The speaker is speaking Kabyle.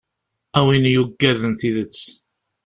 A win yuggaden tidet.